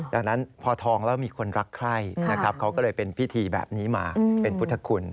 ดังนั้นพอทองแล้วมีคนรักใครนะครับเขาก็เลยเป็นพิธีแบบนี้มาเป็นพุทธคุณ